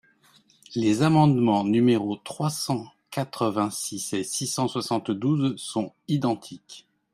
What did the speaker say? Les amendements numéros trois cent quatre-vingt-six et six cent soixante-douze sont identiques.